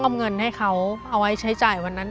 เงินให้เขาเอาไว้ใช้จ่ายวันนั้น